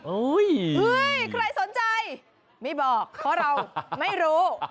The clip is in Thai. ใครสนใจไม่บอกเพราะเราไม่รู้